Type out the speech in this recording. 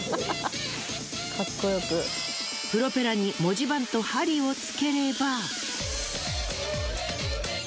プロペラに文字盤と針をつければ。